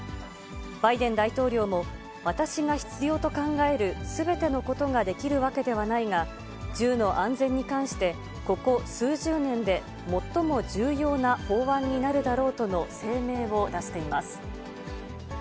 バイデン大統領も、私が必要と考えるすべてのことができるわけではないが、銃の安全に関して、ここ数十年で最も重要な法案になるだろうとの声明を出しています。